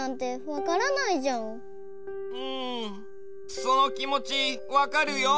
そのきもちわかるよ。